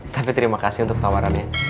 tapi terima kasih untuk tawarannya